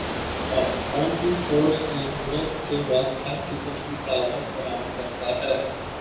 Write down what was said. اور ان کو ضرورت کے وقت ہر قسم کی تعاون فراہم کرتے ہیں ۔